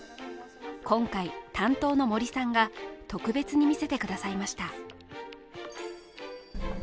今回、担当の森さんが特別に見せてくださいました。